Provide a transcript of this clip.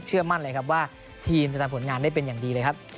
มั่นเลยครับว่าทีมจะทำผลงานได้เป็นอย่างดีเลยครับ